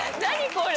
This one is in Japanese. これ。